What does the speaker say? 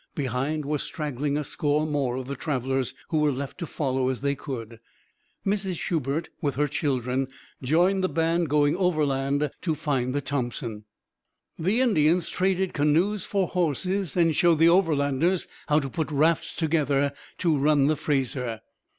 Behind were straggling a score more of the travellers, who were left to follow as they could. Mrs Shubert with her children joined the band going overland to find the Thompson. The Indians traded canoes for horses and showed the Overlanders how to put rafts together to run the Fraser.